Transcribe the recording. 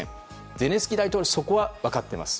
ゼレンスキー大統領そこは分かっています。